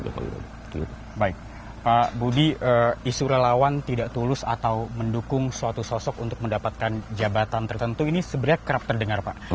baik pak budi isu relawan tidak tulus atau mendukung suatu sosok untuk mendapatkan jabatan tertentu ini sebenarnya kerap terdengar pak